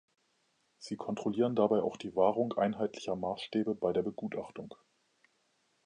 Sie kontrollieren dabei auch die Wahrung einheitlicher Maßstäbe bei der Begutachtung.